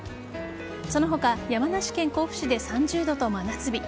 その他山梨県甲府市で３０度と真夏日。